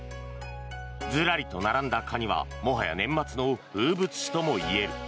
ずらりと並んだカニはもはや年末の風物詩ともいえる。